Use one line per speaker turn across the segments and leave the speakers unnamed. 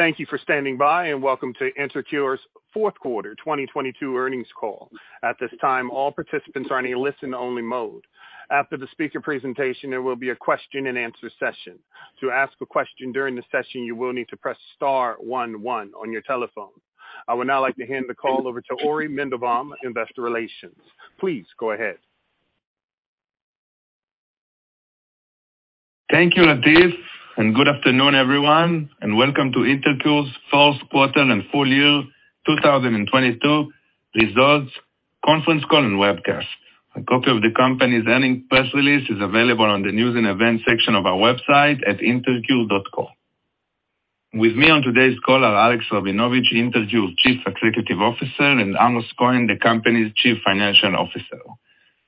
Thank you for standing by and welcome to InterCure's fourth quarter 2022 earnings call. At this time, all participants are in a listen only mode. After the speaker presentation, there will be a question-and-answer session. To ask a question during the session, you will need to press star one one on your telephone. I would now like to hand the call over to Ori Mendelbaum, Investor Relations. Please go ahead.
Thank you, Latif, and good afternoon, everyone, and welcome to InterCure's fourth quarter and full year 2022 results conference call and webcast. A copy of the company's earning press release is available on the news and events section of our website at intercure.co. With me on today's call are Alex Rabinovich, InterCure's Chief Executive Officer, and Amos Cohen, the company's Chief Financial Officer.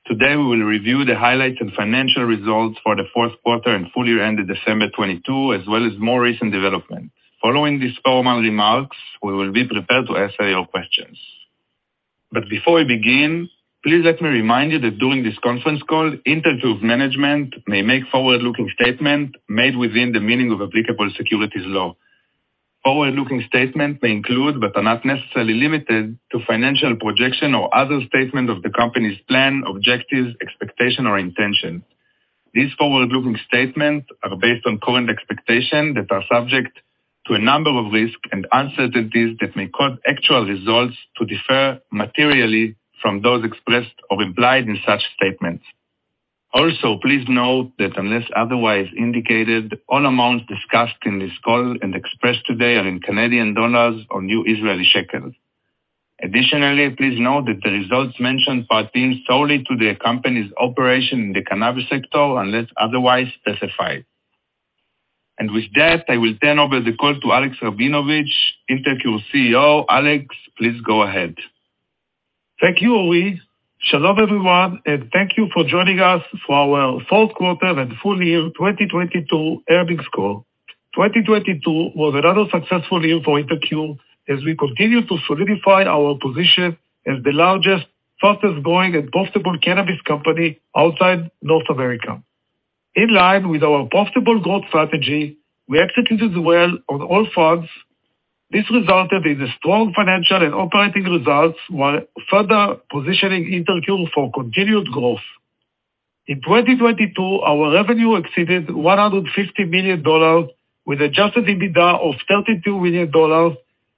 Today, we will review the highlights and financial results for the fourth quarter and full year ended December 22, as well as more recent development. Following these formal remarks, we will be prepared to answer your questions. Before we begin, please let me remind you that during this conference call, InterCure management may make forward-looking statement made within the meaning of applicable securities law. Forward-looking statement may include, but are not necessarily limited to financial projection or other statement of the company's plan, objectives, expectation or intention. These forward-looking statements are based on current expectation that are subject to a number of risks and uncertainties that may cause actual results to differ materially from those expressed or implied in such statements. Please note that unless otherwise indicated, all amounts discussed in this call and expressed today are in Canadian dollars or New Israeli shekels. Please note that the results mentioned pertain solely to the company's operation in the cannabis sector unless otherwise specified. With that, I will turn over the call to Alex Rabinovich, InterCure CEO. Alex, please go ahead.
Thank you, Ori. Shalom, everyone, and thank you for joining us for our fourth quarter and full year 2022 earnings call. 2022 was another successful year for InterCure as we continue to solidify our position as the largest, fastest-growing and profitable cannabis company outside North America. In line with our profitable growth strategy, we executed well on all fronts. This resulted in the strong financial and operating results while further positioning InterCure for continued growth. In 2022, our revenue exceeded 150 million dollars with adjusted EBITDA of 32 million dollars,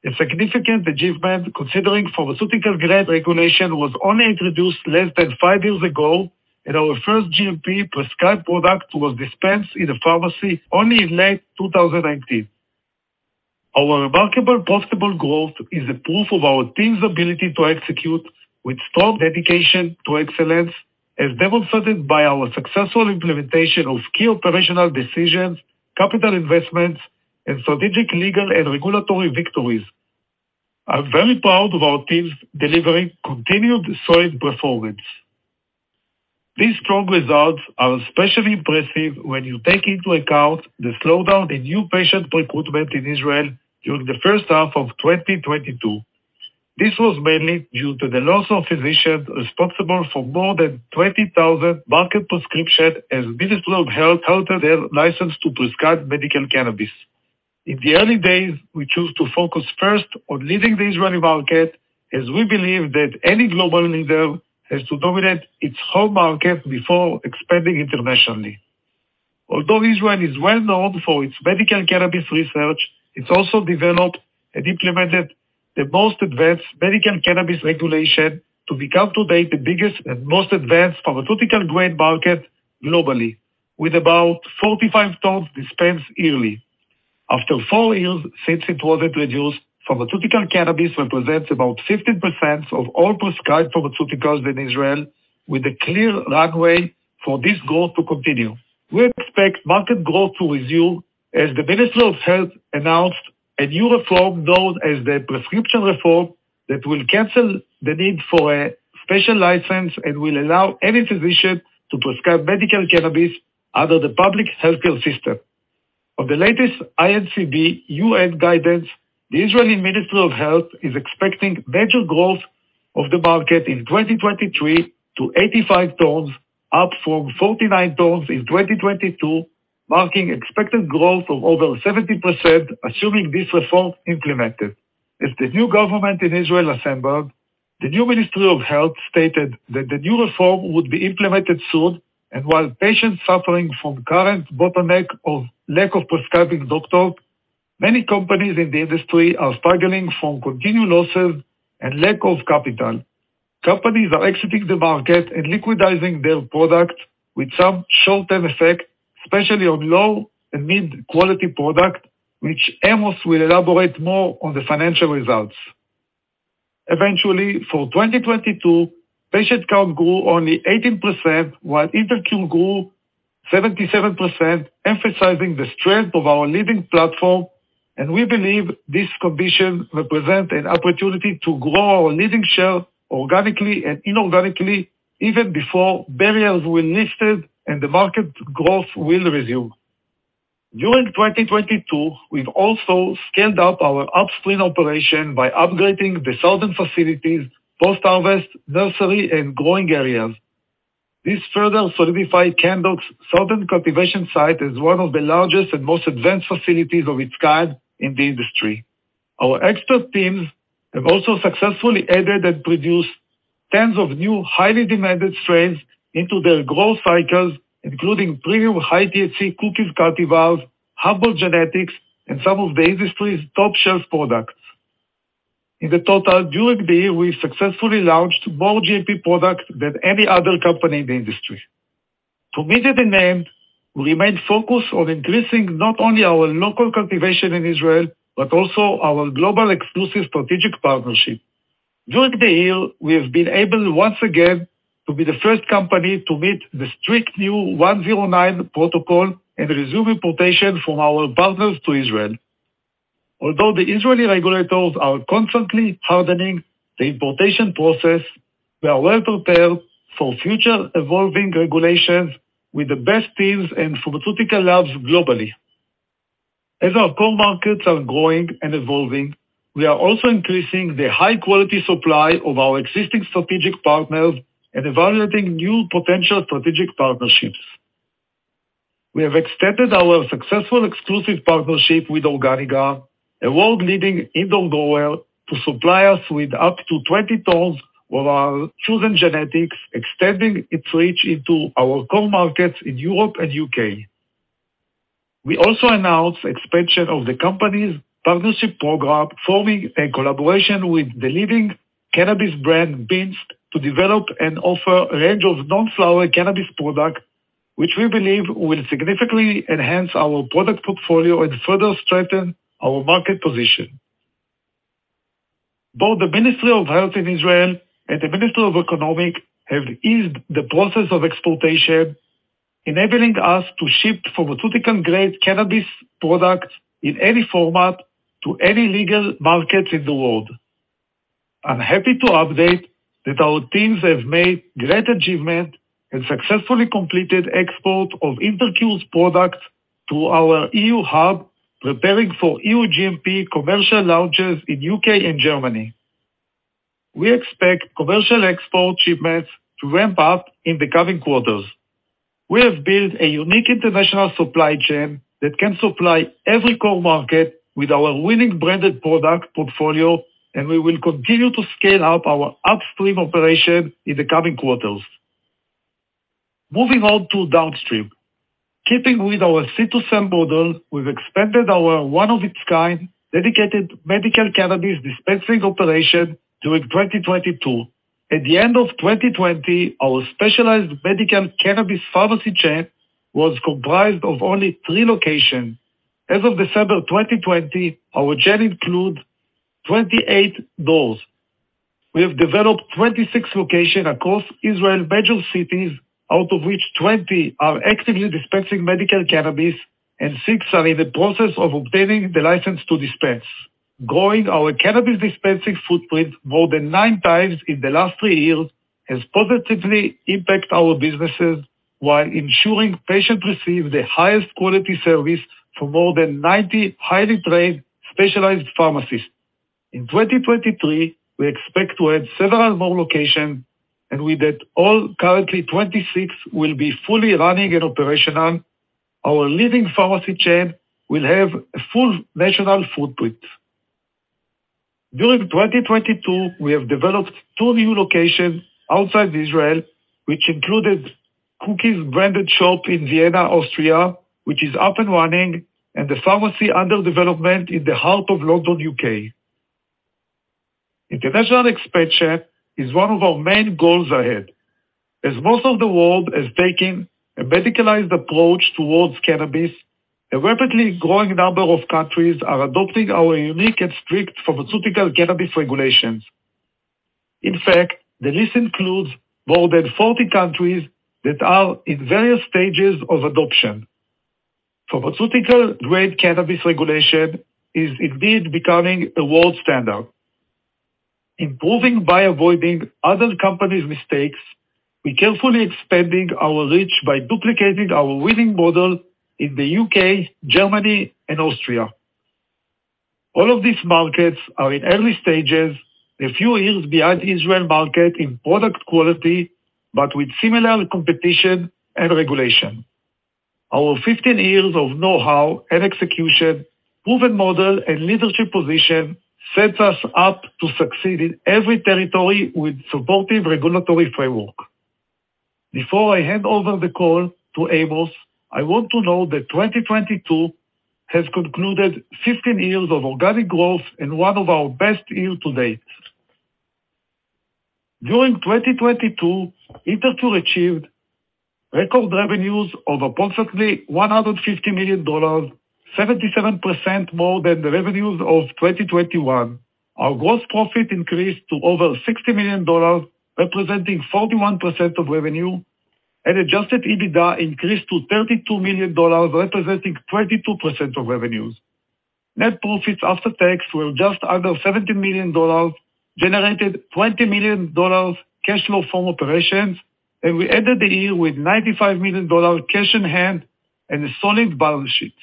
a significant achievement considering pharmaceutical grade regulation was only introduced less than five years ago, and our first GMP prescribed product was dispensed in a pharmacy only in late 2019. Our remarkable profitable growth is a proof of our team's ability to execute with strong dedication to excellence, as demonstrated by our successful implementation of key operational decisions, capital investments, and strategic, legal and regulatory victories. I'm very proud of our teams delivering continued solid performance. These strong results are especially impressive when you take into account the slowdown in new patient recruitment in Israel during the first half of 2022. This was mainly due to the loss of physicians responsible for more than 20,000 market prescription as Ministry of Health halted their license to prescribe medical cannabis. In the early days, we choose to focus first on leading the Israeli market, as we believe that any global leader has to dominate its home market before expanding internationally. Although Israel is well-known for its medical cannabis research, it's also developed and implemented the most advanced medical cannabis regulation to become to date the biggest and most advanced pharmaceutical grade market globally, with about 45 tons dispensed yearly. After four years since it was introduced, pharmaceutical cannabis represents about 15% of all prescribed pharmaceuticals in Israel, with a clear runway for this growth to continue. We expect market growth to resume as the Ministry of Health announced a new reform known as the prescription reform that will cancel the need for a special license and will allow any physician to prescribe medical cannabis under the public healthcare system. Of the latest INCB UN guidance, the Ministry of Health is expecting major growth of the market in 2023 to 85 tons, up from 49 tons in 2022, marking expected growth of over 70%, assuming this reform implemented. As the new government in Israel assembled, the new Ministry of Health stated that the new reform would be implemented soon. While patients suffering from current bottleneck of lack of prescribing doctors, many companies in the industry are struggling from continued losses and lack of capital. Companies are exiting the market and liquidizing their product with some short-term effect, especially on low and mid-quality product, which Amos will elaborate more on the financial results. Eventually, for 2022, patient count grew only 18%, while InterCure grew 77%, emphasizing the strength of our leading platform. We believe this condition represent an opportunity to grow our leading share organically and inorganically, even before barriers were lifted and the market growth will resume. During 2022, we've also scaled up our upstream operation by upgrading the southern facilities, post-harvest nursery and growing areas. This further solidify Canndoc's southern cultivation site as one of the largest and most advanced facilities of its kind in the industry. Our expert teams have also successfully added and produced tens of new highly demanded strains into their growth cycles, including premium high THC Cookies cultivars, Humboldt genetics, and some of the industry's top shelf products. In the total, during the year, we successfully launched more GMP products than any other company in the industry. To meet the demand, we remain focused on increasing not only our local cultivation in Israel, but also our global exclusive strategic partnership. During the year, we have been able once again to be the first company to meet the strict new Protocol 109 and resume importation from our partners to Israel. Although the Israeli regulators are constantly hardening the importation process, we are well-prepared for future evolving regulations with the best teams and pharmaceutical labs globally. As our core markets are growing and evolving, we are also increasing the high-quality supply of our existing strategic partners and evaluating new potential strategic partnerships. We have extended our successful exclusive partnership with Organigram, a world-leading indoor grower, to supply us with up to 20 tons of our chosen genetics, extending its reach into our core markets in Europe and U.K. We also announced expansion of the company's partnership program, forming a collaboration with the leading cannabis brand, Binske, to develop and offer a range of non-flower cannabis product, which we believe will significantly enhance our product portfolio and further strengthen our market position. Both the Ministry of Health in Israel and the Ministry of Economy have eased the process of exportation, enabling us to ship pharmaceutical-grade cannabis products in any format to any legal markets in the world. I'm happy to update that our teams have made great achievement and successfully completed export of InterCure's products to our EU hub, preparing for EU GMP commercial launches in U.K. and Germany. We expect commercial export shipments to ramp up in the coming quarters. We have built a unique international supply chain that can supply every core market with our winning branded product portfolio, and we will continue to scale up our upstream operation in the coming quarters. Moving on to downstream. Keeping with our seed-to-sale model, we've expanded our one of its kind, dedicated medical cannabis dispensing operation during 2022. At the end of 2020, our specialized medical cannabis pharmacy chain was comprised of only three locations. As of December 2020, our chain include 28 doors. We have developed 26 locations across Israel's major cities, out of which 20 are actively dispensing medical cannabis, and six are in the process of obtaining the license to dispense. Growing our cannabis dispensing footprint more than nine times in the last three years has positively impact our businesses while ensuring patients receive the highest quality service from more than 90 highly trained, specialized pharmacists. In 2023, we expect to add several more locations, and with that, all currently 26 will be fully running and operational. Our leading pharmacy chain will have a full national footprint. During 2022, we have developed two new locations outside Israel, which included Cookies-branded shop in Vienna, Austria, which is up and running, and a pharmacy under development in the heart of London, U.K. International expansion is one of our main goals ahead. As most of the world has taken a medicalized approach towards cannabis, a rapidly growing number of countries are adopting our unique and strict pharmaceutical cannabis regulations. In fact, the list includes more than 40 countries that are in various stages of adoption. Pharmaceutical-grade cannabis regulation is indeed becoming a world standard. Improving by avoiding other companies' mistakes, we carefully expanding our reach by duplicating our winning model in the U.K., Germany, and Austria. All of these markets are in early stages, a few years behind the Israel market in product quality, but with similar competition and regulation. Our 15 years of know-how and execution, proven model, and leadership position sets us up to succeed in every territory with supportive regulatory framework. Before I hand over the call to Amos, I want to note that 2022 has concluded 15 years of organic growth and one of our best years to date. During 2022, InterCure achieved record revenues of approximately 150 million dollars, 77% more than the revenues of 2021. Our gross profit increased to over 60 million dollars, representing 41% of revenue, and adjusted EBITDA increased to 32 million dollars, representing 22% of revenues. Net profits after tax were just under 17 million dollars, generated 20 million dollars cash flow from operations, and we ended the year with 95 million dollars cash on hand and a solid balance sheet.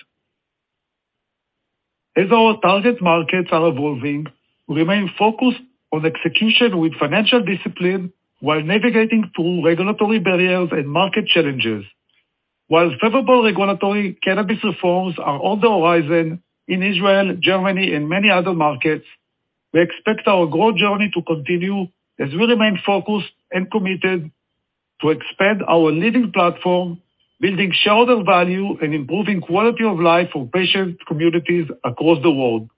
As our target markets are evolving, we remain focused on execution with financial discipline, while navigating through regulatory barriers and market challenges. While favorable regulatory cannabis reforms are on the horizon in Israel, Germany and many other markets, we expect our growth journey to continue as we remain focused and committed to expand our leading platform, building shareholder value and improving quality of life for patient communities across the world.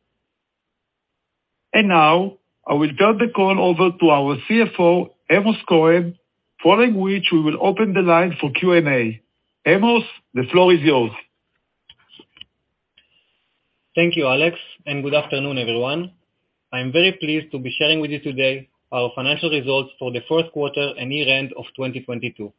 Now, I will turn the call over to our CFO, Amos Cohen, following which we will open the line for Q&A. Amos, the floor is yours.
Thank you, Alex. Good afternoon, everyone. I'm very pleased to be sharing with you today our financial results for the first quarter and year-end of 2022.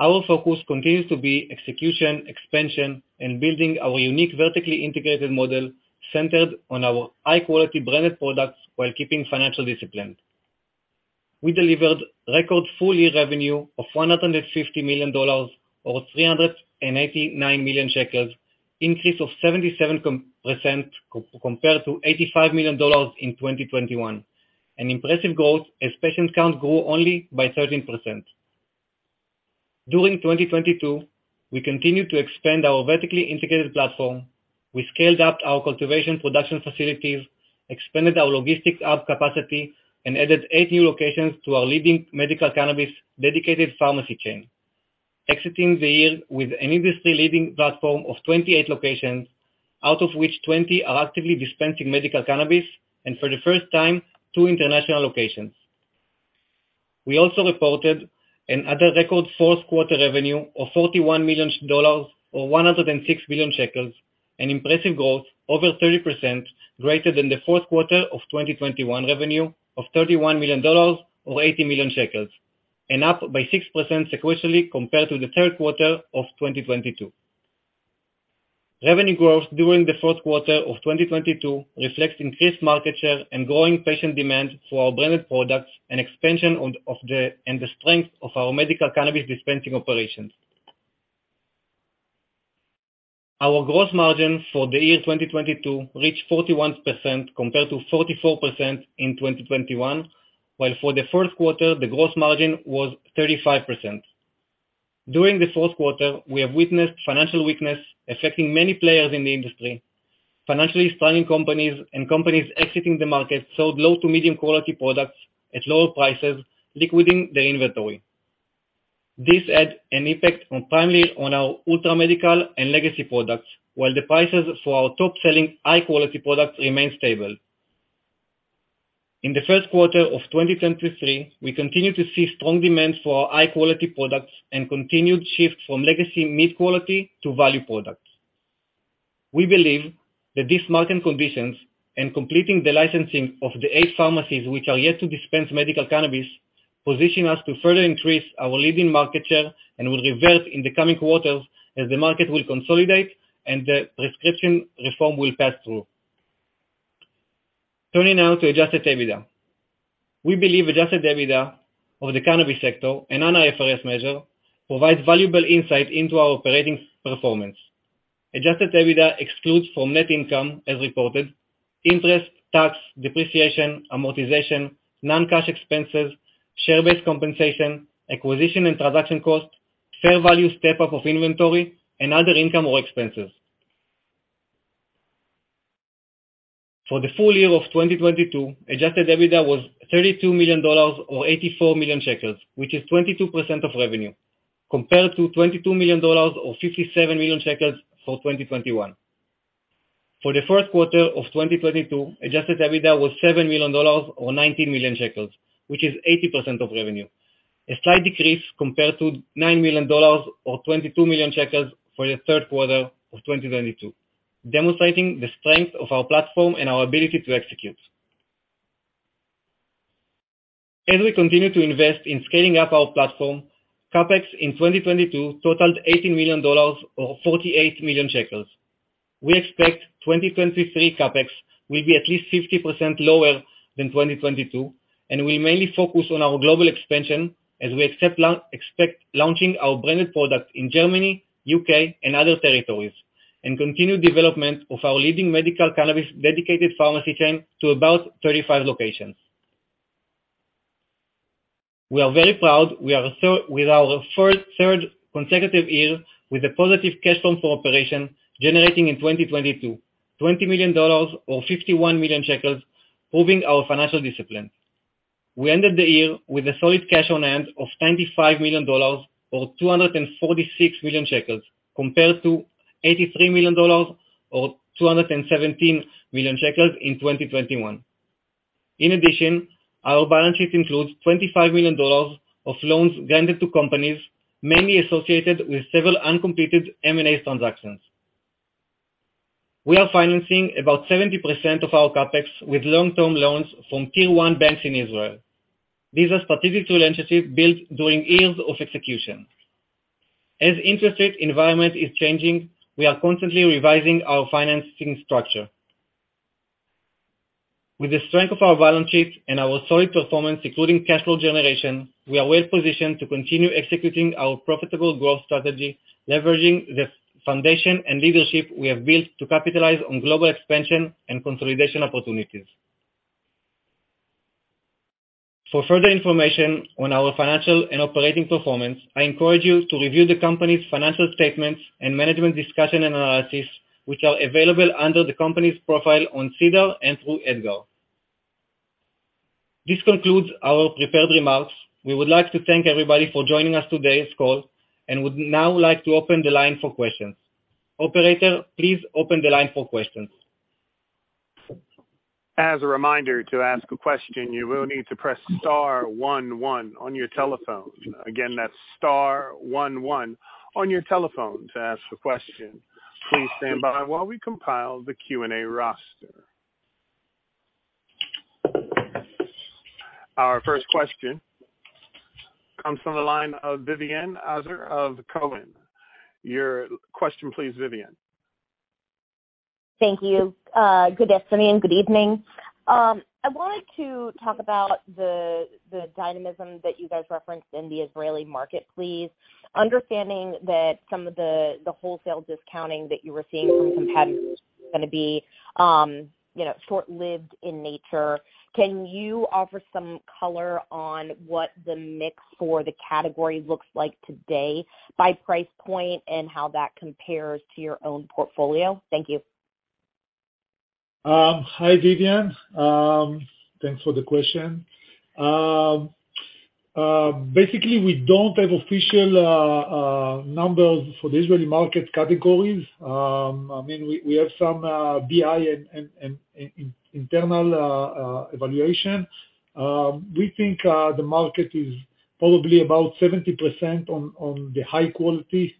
Our focus continues to be execution, expansion, and building our unique vertically integrated model centered on our high-quality branded products while keeping financial discipline. We delivered record full year revenue of 150 million dollars or 389 million shekels, increase of 77% compared to 85 million dollars in 2021. Impressive growth as patient count grew only by 13%. During 2022, we continued to expand our vertically integrated platform. We scaled up our cultivation production facilities, expanded our logistics hub capacity, and added eight new locations to our leading medical cannabis dedicated pharmacy chain, exiting the year with an industry-leading platform of 28 locations, out of which 20 are actively dispensing medical cannabis, and for the first time, two international locations. We also reported another record fourth quarter revenue of 41 million dollars or 106 million shekels, an impressive growth over 30% greater than the fourth quarter of 2021 revenue of 31 million dollars or 80 million shekels, and up by 6% sequentially compared to the third quarter of 2022. Revenue growth during the fourth quarter of 2022 reflects increased market share and growing patient demand for our branded products and expansion and the strength of our medical cannabis dispensing operations. Our gross margin for the year 2022 reached 41% compared to 44% in 2021, while for the first quarter, the gross margin was 35%. During the fourth quarter, we have witnessed financial weakness affecting many players in the industry. Financially struggling companies and companies exiting the market sold low to medium quality products at lower prices, liquidating their inventory. This had an impact on timely on our ultra-medical and legacy products, while the prices for our top-selling high-quality products remained stable. In the first quarter of 2023, we continue to see strong demand for our high-quality products and continued shift from legacy mid-quality to value products. We believe that these market conditions and completing the licensing of the eight pharmacies which are yet to dispense medical cannabis, position us to further increase our leading market share and will revert in the coming quarters as the market will consolidate and the prescription reform will pass through. Turning now to adjusted EBITDA. We believe adjusted EBITDA of the cannabis sector, a non-IFRS measure, provides valuable insight into our operating performance. Adjusted EBITDA excludes from net income as reported, interest, tax, depreciation, amortization, non-cash expenses, share-based compensation, acquisition and transaction costs, fair value step up of inventory, and other income or expenses. For the full year of 2022, adjusted EBITDA was CAD 32 million or 84 million shekels, which is 22% of revenue, compared to CAD 22 million or 57 million shekels for 2021. For the first quarter of 2022, adjusted EBITDA was 7 million dollars or 90 million shekels, which is 80% of revenue. A slight decrease compared to 9 million dollars or 22 million shekels for the third quarter of 2022, demonstrating the strength of our platform and our ability to execute. As we continue to invest in scaling up our platform, CapEx in 2022 totaled 80 million dollars or 48 million shekels. We expect 2023 CapEx will be at least 50% lower than 2022 and will mainly focus on our global expansion as we expect launching our branded product in Germany, UK, and other territories, and continue development of our leading medical cannabis dedicated pharmacy chain to about 35 locations. We are very proud we are with our third consecutive year with a positive cash flow from operation, generating in 2022, 20 million dollars or 51 million shekels, proving our financial discipline. We ended the year with a solid cash on hand of 95 million dollars or 246 million shekels, compared to 83 million dollars or 217 million shekels in 2021. In addition, our balance sheet includes 25 million dollars of loans granted to companies, mainly associated with several uncompleted M&A transactions. We are financing about 70% of our CapEx with long-term loans from tier-one banks in Israel. These are strategic relationships built during years of execution. As interest rate environment is changing, we are constantly revising our financing structure. With the strength of our balance sheet and our solid performance, including cash flow generation, we are well-positioned to continue executing our profitable growth strategy, leveraging the foundation and leadership we have built to capitalize on global expansion and consolidation opportunities. For further information on our financial and operating performance, I encourage you to review the company's financial statements and management discussion and analysis, which are available under the company's profile on SEDAR and through EDGAR. This concludes our prepared remarks. We would like to thank everybody for joining us today's call and would now like to open the line for questions. Operator, please open the line for questions.
As a reminder, to ask a question, you will need to press star one one on your telephone. That's star one one on your telephone to ask a question. Please stand by while we compile the Q&A roster. Our first question comes from the line of Vivien Azer of Cowen. Your question, please, Vivien.
Thank you. Good afternoon. Good evening. I wanted to talk about the dynamism that you guys referenced in the Israeli market, please. Understanding that some of the wholesale discounting that you were seeing from competitors gonna be, you know, short-lived in nature. Can you offer some color on what the mix for the category looks like today by price point and how that compares to your own portfolio? Thank you.
Hi, Vivien. Thanks for the question. Basically, we don't have official numbers for the Israeli market categories. I mean, we have some BI and internal evaluation. We think the market is probably about 70% on the high quality.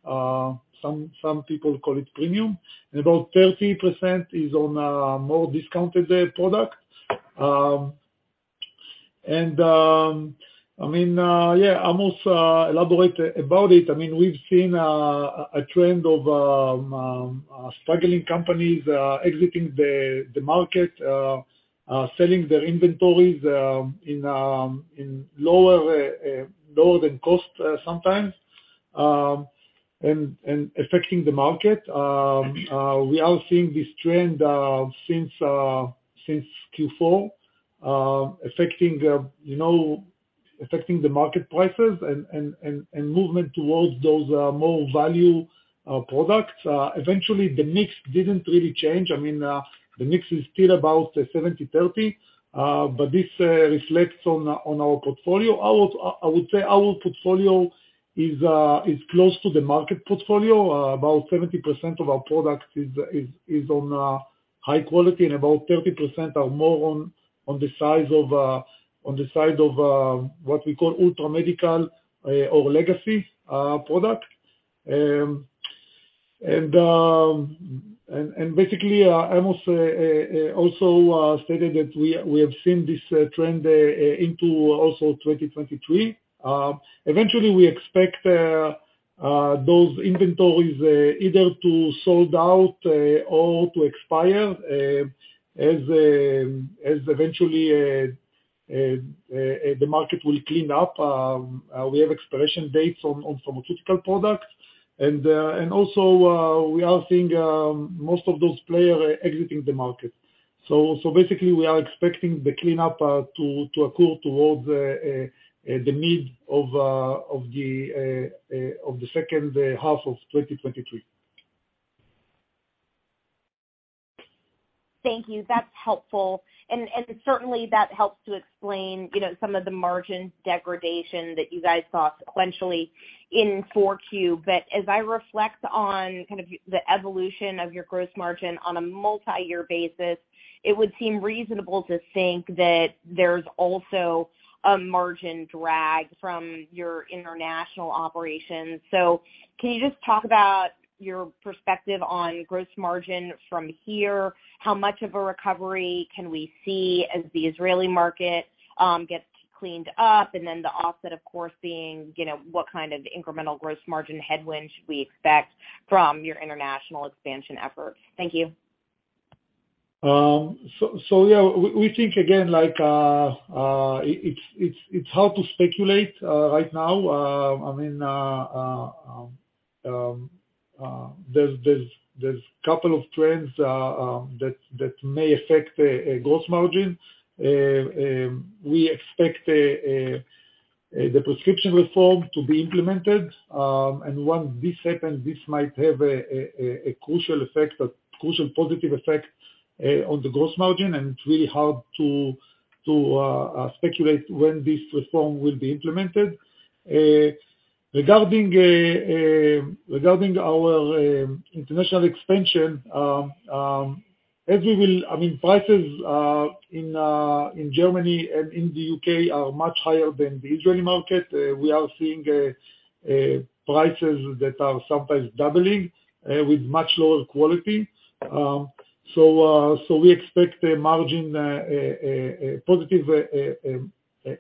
Some people call it premium. About 30% is on more discounted product. I mean, yeah, Amos, elaborate about it. I mean, we've seen a trend of struggling companies exiting the market, selling their inventories in lower than cost sometimes, and affecting the market. We are seeing this trend since Q4 affecting, you know, affecting the market prices and movement towards those more value products. Eventually the mix didn't really change. I mean, the mix is still about 70/30, but this reflects on our portfolio. Our, I would say our portfolio is close to the market portfolio. About 70% of our product is on high quality and about 30% are more on the sides of on the side of what we call ultra medical or legacy product. And basically Amos also stated that we have seen this trend into also 2023. Eventually we expect those inventories either to sold out or to expire as eventually the market will clean up. We have expiration dates on pharmaceutical products and also we are seeing most of those players exiting the market. Basically, we are expecting the cleanup to occur towards the mid of the second half of 2023.
Thank you. That's helpful. Certainly that helps to explain, you know, some of the margin degradation that you guys saw sequentially in Q4. As I reflect on kind of the evolution of your gross margin on a multi-year basis, it would seem reasonable to think that there's also a margin drag from your international operations. Can you just talk about your perspective on gross margin from here? How much of a recovery can we see as the Israeli market gets cleaned up? The offset, of course, being, you know, what kind of incremental gross margin headwind should we expect from your international expansion efforts? Thank you.
Yeah, we think again, like, it's hard to speculate right now. I mean, there's couple of trends that may affect the gross margin. We expect the prescription reform to be implemented. Once this happens, this might have a crucial effect, a crucial positive effect on the gross margin, and it's really hard to speculate when this reform will be implemented. Regarding our international expansion, I mean prices in Germany and in the U.K. are much higher than the Israeli market. We are seeing prices that are sometimes doubling with much lower quality. We expect the margin a positive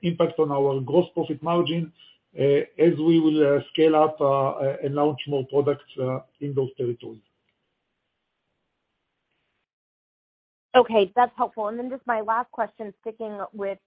impact on our gross profit margin as we will scale up and launch more products in those territories.
Okay, that's helpful. Then just my last question, sticking with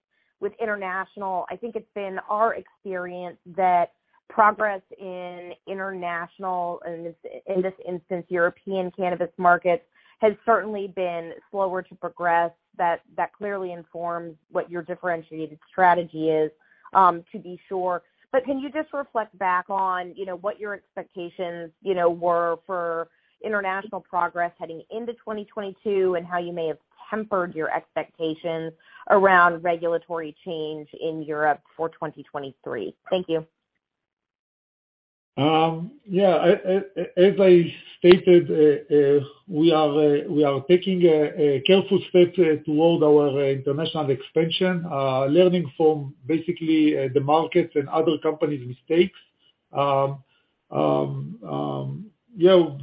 international, I think it's been our experience that progress in international, and in this instance, European cannabis markets, has certainly been slower to progress that clearly informs what your differentiated strategy is, to be sure. Can you just reflect back on, you know, what your expectations were for international progress heading into 2022, and how you may have tempered your expectations around regulatory change in Europe for 2023? Thank you.
Yeah. As I stated, we are taking a careful step toward our international expansion, learning from basically the markets and other companies' mistakes. You know,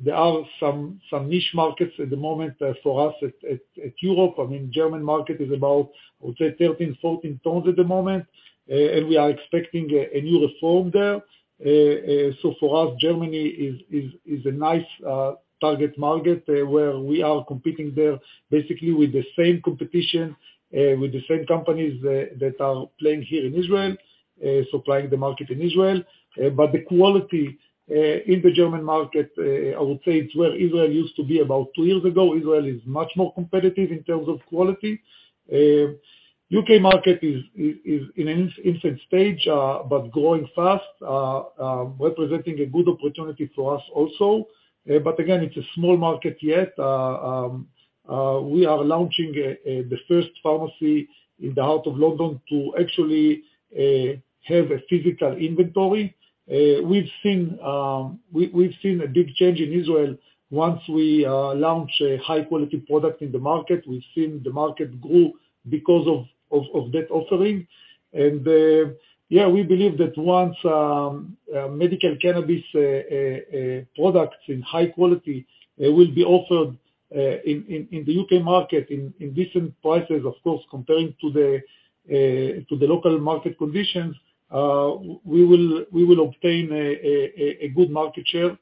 there are some niche markets at the moment for us at Europe. I mean, German market is about, I would say 13 tons, 14 tons at the moment. We are expecting a new reform there. For us, Germany is a nice target market where we are competing there basically with the same competition, with the same companies that are playing here in Israel, supplying the market in Israel. The quality in the German market, I would say it's where Israel used to be about two years ago. Israel is much more competitive in terms of quality. U.K. market is in an infant stage, but growing fast, representing a good opportunity for us also. Again, it's a small market yet. We are launching the first pharmacy in the heart of London to actually have a physical inventory. We've seen a big change in Israel once we launch a high-quality product in the market. We've seen the market grow because of that offering. Yeah, we believe that once medical cannabis products in high quality will be offered in the U.K. market in decent prices, of course, compared to the local market conditions, we will obtain a good market share.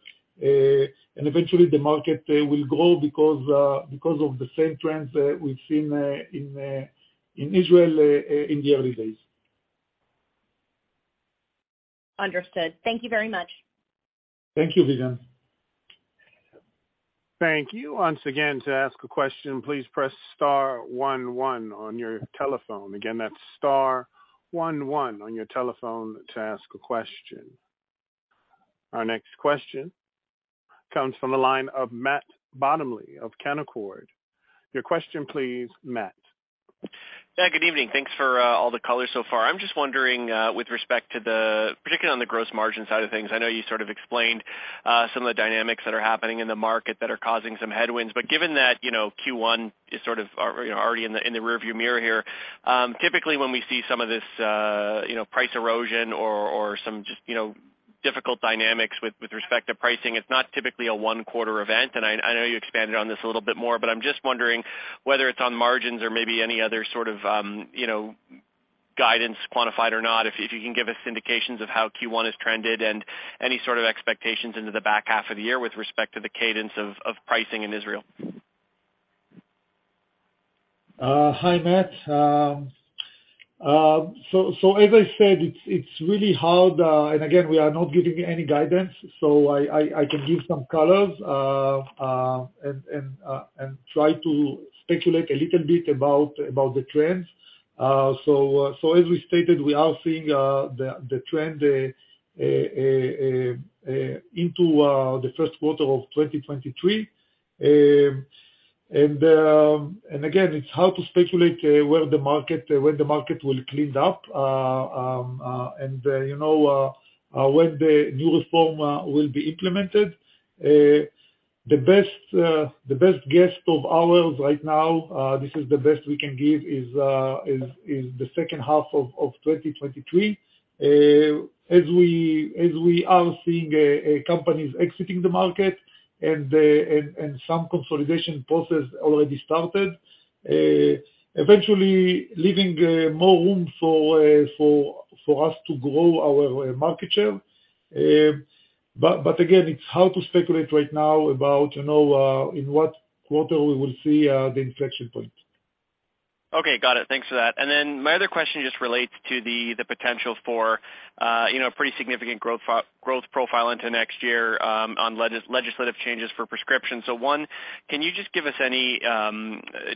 Eventually the market will grow because of the same trends we've seen in Israel in the early days.
Understood. Thank you very much.
Thank you, Vivien.
Thank you. Once again, to ask a question, please press star one one on your telephone. Again, that's star one one on your telephone to ask a question. Our next question comes from the line of Matt Bottomley of Canaccord. Your question please, Matt.
Yeah, good evening. Thanks for all the color so far. I'm just wondering with respect to the, particularly on the gross margin side of things, I know you sort of explained some of the dynamics that are happening in the market that are causing some headwinds. Given that, you know, Q1 is sort of already in the, in the rear view mirror here, typically when we see some of this, you know, price erosion or some just, you know, difficult dynamics with respect to pricing, it's not typically a one-quarter event. I know you expanded on this a little bit more, but I'm just wondering whether it's on margins or maybe any other sort of, you know, guidance, quantified or not, if you can give us indications of how Q1 has trended and any sort of expectations into the back half of the year with respect to the cadence of pricing in Israel.
Hi, Matt. So as I said, it's really hard. And again, we are not giving any guidance, so I can give some colors and try to speculate a little bit about the trends. So as we stated, we are seeing the trend into the first quarter of 2023. And again, it's hard to speculate where the market will clean up and, you know, when the new reform will be implemented. The best guess of ours right now, this is the best we can give, is the second half of 2023. As we are seeing companies exiting the market and some consolidation process already started, eventually leaving more room for us to grow our market share. But again, it's hard to speculate right now about, you know, in what quarter we will see the inflection point.
Okay, got it. Thanks for that. My other question just relates to the potential for, you know, pretty significant growth profile into next year on legislative changes for prescriptions. One, can you just give us any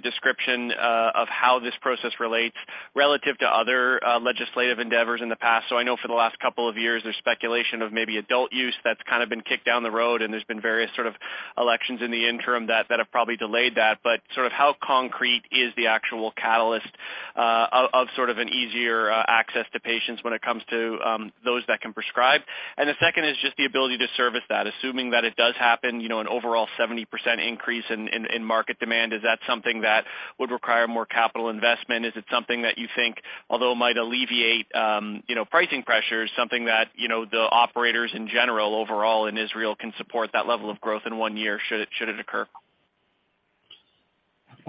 description of how this process relates relative to other legislative endeavors in the past? I know for the last couple of years, there's speculation of maybe adult use that's kind of been kicked down the road, and there's been various sort of elections in the interim that have probably delayed that. Sort of how concrete is the actual catalyst of sort of an easier access to patients when it comes to those that can prescribe? The second is just the ability to service that. Assuming that it does happen, you know, an overall 70% increase in market demand, is that something that would require more capital investment? Is it something that you think, although it might alleviate, you know, pricing pressures, something that, you know, the operators in general overall in Israel can support that level of growth in one year, should it occur?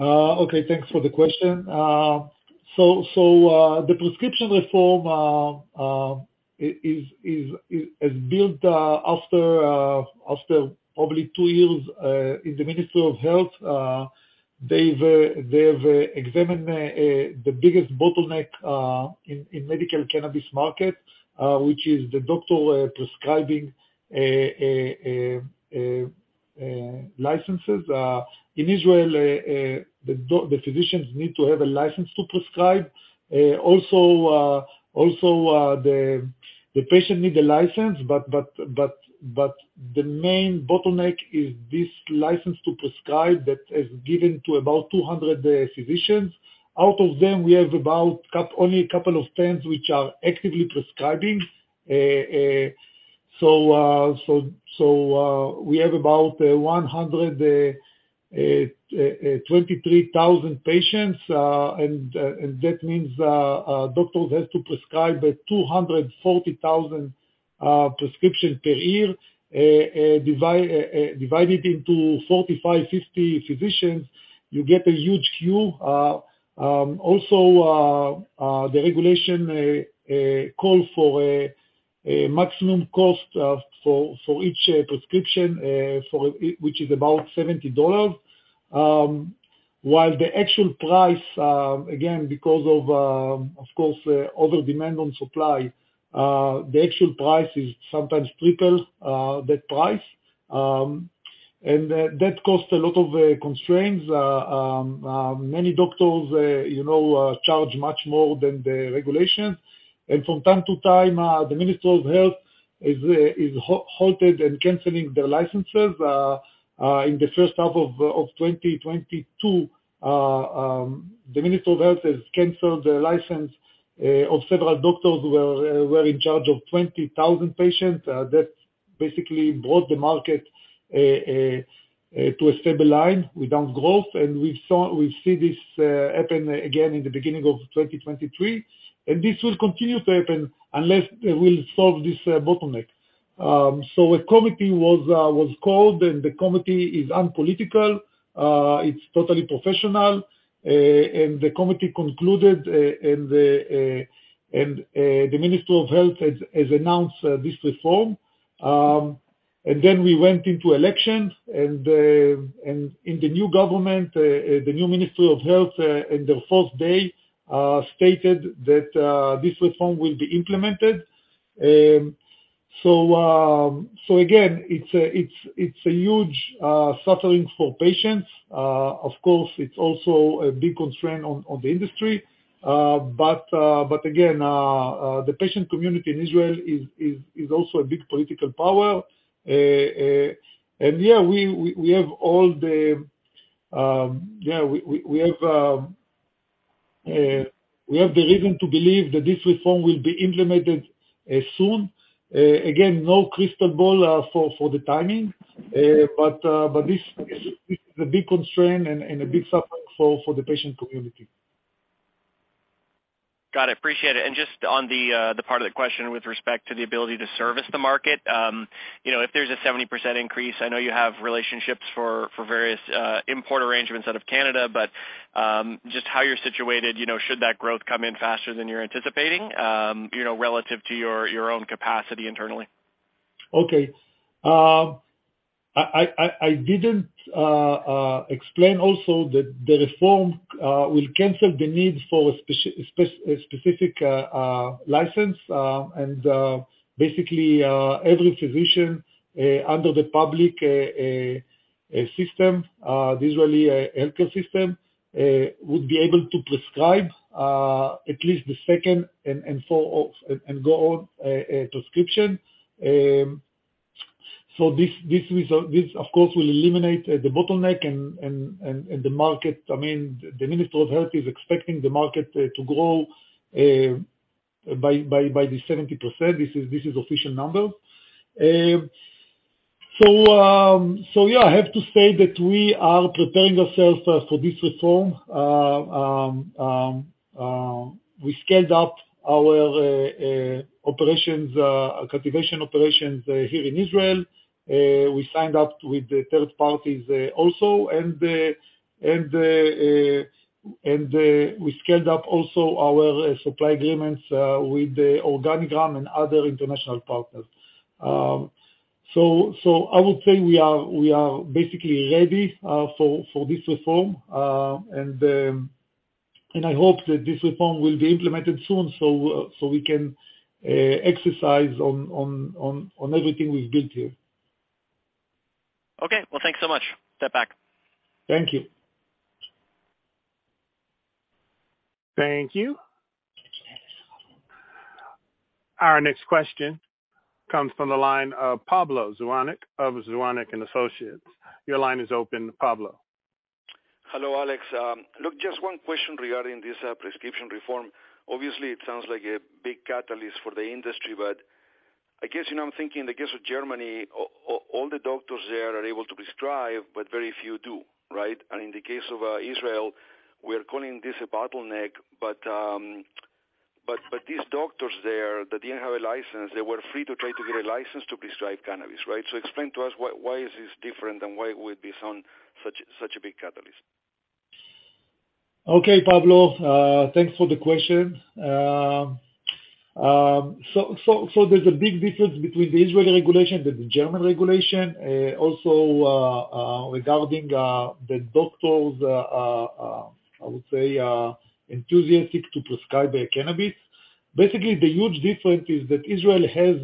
Okay, thanks for the question. The prescription reform is built after probably two years in the Ministry of Health. They've examined the biggest bottleneck in medical cannabis market, which is the doctor prescribing licenses. In Israel, the physicians need to have a license to prescribe. The patient need the license, but the main bottleneck is this license to prescribe that is given to about 200 physicians. Out of them, we have about only a couple of 10s which are actively prescribing. We have about 123,000 patients. That means doctors have to prescribe 240,000 prescription per year, divided into 45, 50 physicians. You get a huge queue. Also, the regulation call for a maximum cost for each prescription which is about 70 dollars. While the actual price, again, because of course, over-demand on supply, the actual price is sometimes triple that price. That caused a lot of constraints. Many doctors, you know, charge much more than the regulations. From time to time, the Ministry of Health is halted and canceling their licenses. In the first half of 2022, the Ministry of Health has canceled the license of several doctors who were in charge of 20,000 patients. That basically brought the market to a stable line without growth. We see this happen again in the beginning of 2023. This will continue to happen unless we'll solve this bottleneck. A committee was called, the committee is unpolitical. It's totally professional. The committee concluded, the Ministry of Health has announced this reform. We went into elections, in the new government, the new Ministry of Health in the first day stated that this reform will be implemented. Again, it's a huge suffering for patients. Of course, it's also a big constraint on the industry. Again, the patient community in Israel is also a big political power. Yeah, we have the reason to believe that this reform will be implemented soon. Again, no crystal ball for the timing, this is a big constraint and a big suffering for the patient community.
Got it. Appreciate it. Just on the part of the question with respect to the ability to service the market, you know, if there's a 70% increase, I know you have relationships for various import arrangements out of Canada, but, just how you're situated, you know, should that growth come in faster than you're anticipating, you know, relative to your own capacity internally?
I didn't explain also that the reform will cancel the need for a specific license. Basically, every physician under the public system, the Israeli healthcare system, would be able to prescribe at least the second and so on, and go on a prescription. This is, this of course will eliminate the bottleneck and the market. I mean, the Ministry of Health is expecting the market to grow by the 70%. This is official number. Yeah, I have to say that we are preparing ourselves for this reform. We scaled up our operations, cultivation operations here in Israel. We signed up with the third parties also and the we scaled up also our supply agreements with the Organigram and other international partners. I would say we are basically ready for this reform. I hope that this reform will be implemented soon, so we can exercise on everything we've built here.
Okay. Well, thanks so much. Step back.
Thank you.
Thank you. Our next question comes from the line of Pablo Zuanic of Zuanic & Associates. Your line is open, Pablo.
Hello, Alex. Look, just one question regarding this prescription reform. Obviously, it sounds like a big catalyst for the industry, but I guess, you know, I'm thinking in the case of Germany, all the doctors there are able to prescribe, but very few do, right? In the case of Israel, we're calling this a bottleneck. But these doctors there that didn't have a license, they were free to try to get a license to prescribe cannabis, right? Explain to us why is this different than why it would be such a big catalyst.
Pablo. Thanks for the question. There's a big difference between the Israeli regulation and the German regulation. Also, regarding the doctors, I would say, enthusiastic to prescribe cannabis. Basically, the huge difference is that Israel has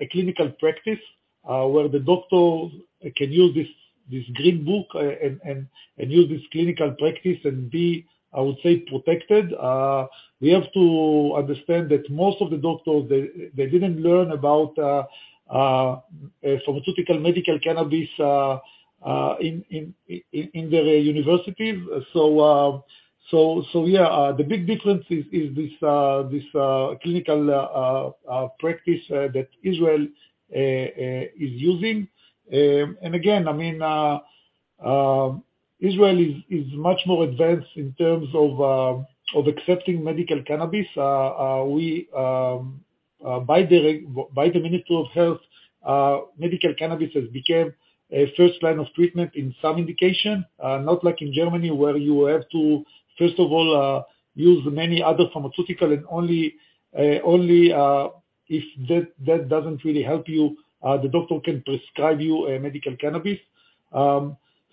a clinical practice where the doctor can use this Green Book and use this clinical practice and be, I would say, protected. We have to understand that most of the doctors didn't learn about pharmaceutical medical cannabis in their universities. Yeah, the big difference is this clinical practice that Israel is using. I mean, Israel is much more advanced in terms of accepting medical cannabis. We, by the Ministry of Health, medical cannabis has became a first line of treatment in some indication, not like in Germany where you have to first of all use many other pharmaceutical and only if that doesn't really help you, the doctor can prescribe you a medical cannabis.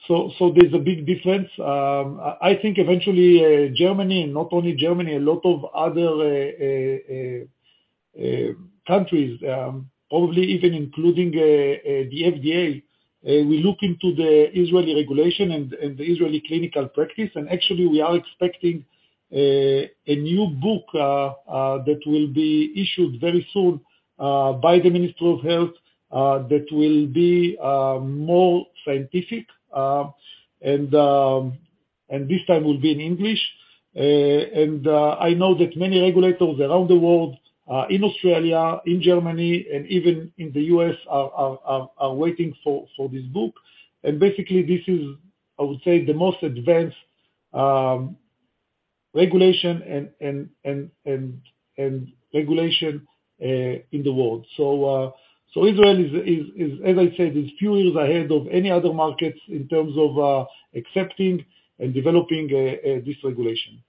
So there's a big difference. I think eventually Germany, and not only Germany, a lot of other countries, probably even including the FDA, will look into the Israeli regulation and the Israeli clinical practice. Actually, we are expecting a new book that will be issued very soon by the Ministry of Health that will be more scientific and this time will be in English. I know that many regulators around the world in Australia, in Germany, and even in the U.S., are waiting for this book. Basically, this is, I would say, the most advanced regulation and regulation in the world. Israel is, as I said, is few years ahead of any other markets in terms of accepting and developing this regulation.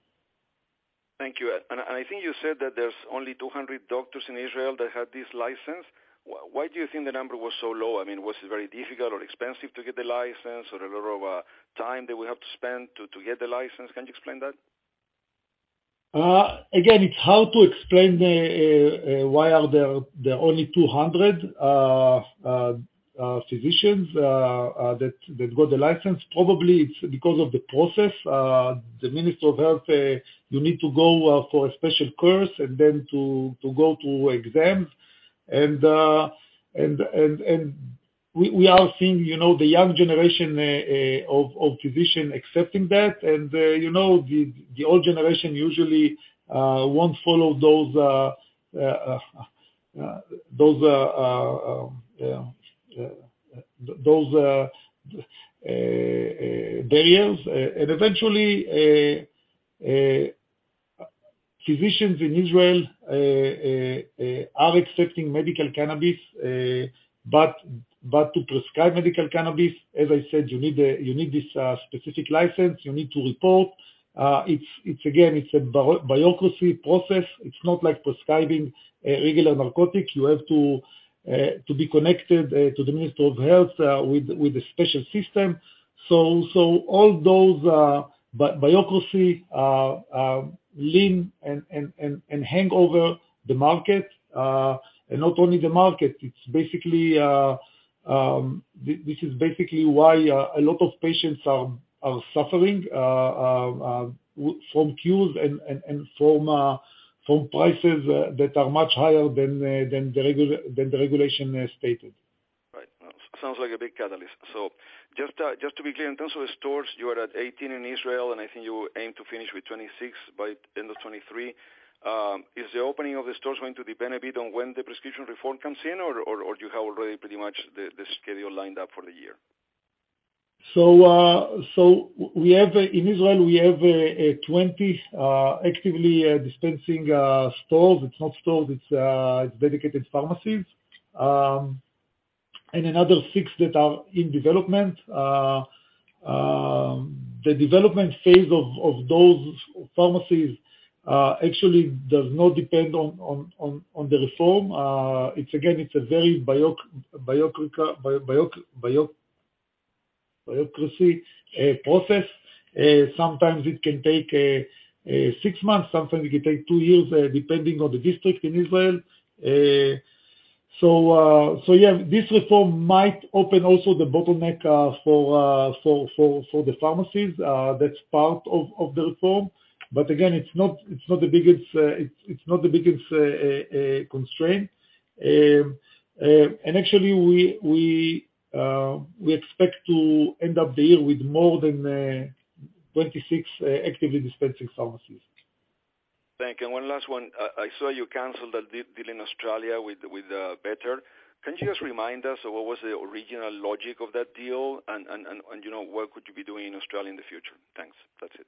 Thank you. I think you said that there's only 200 doctors in Israel that have this license. Why do you think the number was so low? I mean, was it very difficult or expensive to get the license or a lot of time that we have to spend to get the license? Can you explain that?
Again, it's hard to explain why there are only 200 physicians that got the license. Probably it's because of the process. The Ministry of Health, you need to go for a special course and then to go to exams. We are seeing, you know, the young generation of physicians accepting that. You know, the old generation usually won't follow those barriers. Eventually, physicians in Israel are accepting medical cannabis. To prescribe medical cannabis, as I said, you need this specific license, you need to report. It's again, it's a bureaucracy process. It's not like prescribing regular narcotics. You have to be connected to the Ministry of Health with a special system. All those bureaucracy lean and hang over the market. Not only the market, it's basically. This is basically why a lot of patients are suffering from queues and from prices that are much higher than the regulation has stated.
Right. Sounds like a big catalyst. Just to be clear, in terms of the stores, you are at 18 stores in Israel, and I think you aim to finish with 26 stores by end of 2023. Is the opening of the stores going to depend a bit on when the prescription reform comes in or you have already pretty much the schedule lined up for the year?
We have, in Israel, we have 20 actively dispensing stores. It's not stores, it's dedicated pharmacies. Another six stores that are in development. The development phase of those pharmacies actually does not depend on the reform. It's again, it's a very bureaucracy process. Sometimes it can take six months, sometimes it can take two years, depending on the district in Israel. Yeah, this reform might open also the bottleneck for the pharmacies. That's part of the reform. Again, it's not the biggest, it's not the biggest constraint. Actually we expect to end up the year with more than 26 stores actively dispensing pharmacies.
Thank you. One last one. I saw you canceled a deal in Australia with Better. Can you just remind us of what was the original logic of that deal and you know, what could you be doing in Australia in the future? Thanks. That's it.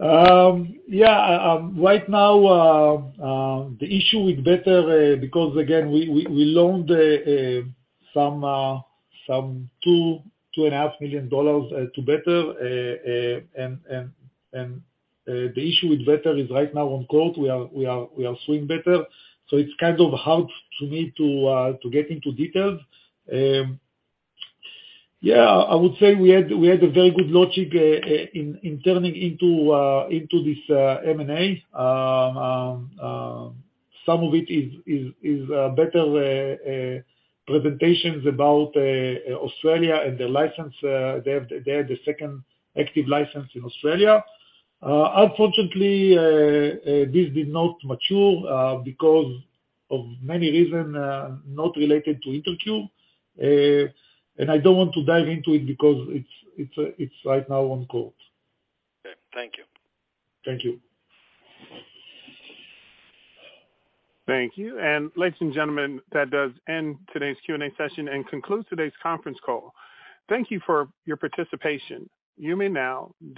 Yeah. Right now, the issue with Better, because again, we loaned some two and a half million dollars to Better. The issue with Better is right now on court, we are suing Better. It's kind of hard for me to get into details. Yeah, I would say we had a very good logic in turning into this M&A. Some of it is Better presentations about Australia and the license. They have, they had the second active license in Australia. Unfortunately, this did not mature because of many reason, not related to InterCure. I don't want to dive into it because it's right now on court.
Okay. Thank you.
Thank you.
Thank you. Ladies and gentlemen, that does end today's Q&A session and concludes today's conference call. Thank you for your participation. You may now disconnect.